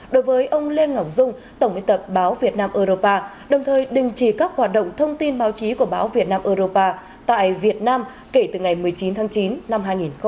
đối với ông lê ngọc dung tổng biên tập báo việt nam europa đồng thời đình chỉ các hoạt động thông tin báo chí của báo việt nam europa tại việt nam kể từ ngày một mươi chín tháng chín năm hai nghìn hai mươi